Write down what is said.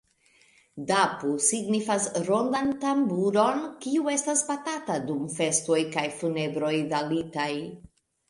Dappu signifas rondan tamburon, kiu estas batata dum festoj kaj funebroj dalitaj.